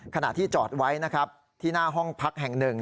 ขณะที่จอดไว้นะครับที่หน้าห้องพักแห่งหนึ่ง